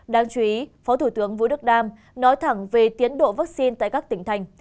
đáng chú ý phó thủ tướng vũ đức đam nói thẳng về tiến độ vaccine tại các tỉnh thành